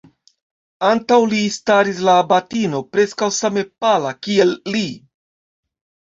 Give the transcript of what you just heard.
Antaŭ li staris la abatino, preskaŭ same pala, kiel li.